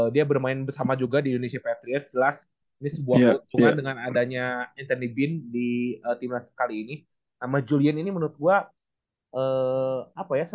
dia juga keklop ya